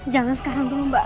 jangan sekarang bu